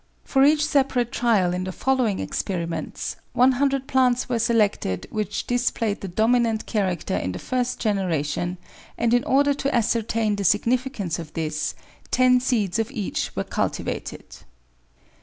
For each separate trial in the following experiments 100 plants were selected which displayed the dominant character in the first generation, and in order to ascertain the significance of this, ten seeds of each were cultivated.